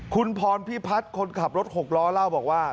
คุณพรพิพัฒน์คนขับรถหกล้อเล่าบอกว่า